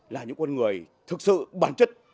là những con người thực sự bản chất